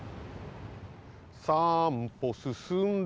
「三歩進んで」